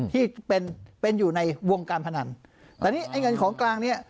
ที่เป็นเป็นอยู่ในวงการพนันแต่นี่ไอ้เงินของกลางเนี้ย